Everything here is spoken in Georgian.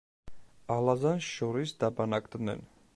ალაზანს შორის დაბანაკდნენ.